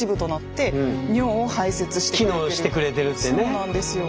そうなんですよ。